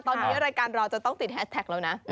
ตอนนี้รายการเราจะต้องติดแฮสแท็กแล้วนะ